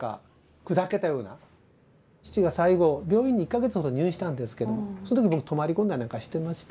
父が最期病院に１か月ほど入院したんですけどその時僕泊まり込んだりなんかしてましてね。